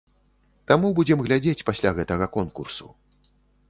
Таму будзем глядзець пасля гэтага конкурсу.